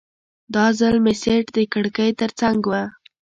دا ځل مې سیټ د کړکۍ ترڅنګ و.